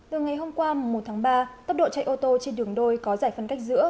từ ngày hôm qua một tháng ba tốc độ chạy ô tô trên đường đôi có giải phân cách giữa